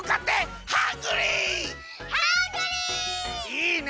いいね。